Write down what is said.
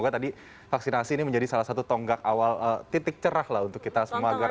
tadi vaksinasi ini menjadi salah satu tonggak awal titik cerah lah untuk kita semua